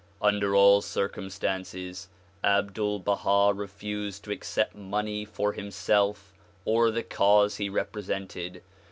Under all circumstances Abdul Baha refused to accept money for himself or the cause he represented.